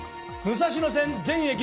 武蔵野線全駅！？